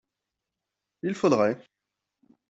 il faudrait.